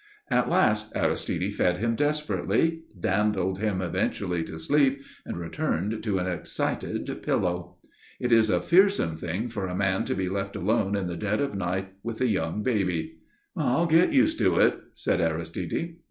At last Aristide fed him desperately, dandled him eventually to sleep, and returned to an excited pillow. It is a fearsome thing for a man to be left alone in the dead of night with a young baby. "I'll get used to it," said Aristide.